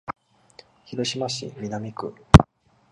広島市南区